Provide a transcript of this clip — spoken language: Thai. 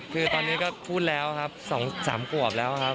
คือตอนนี้ก็พูดแล้วครับ๒๓ขวบแล้วครับ